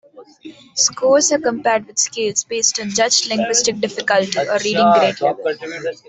Scores are compared with scales based on judged linguistic difficulty or reading grade level.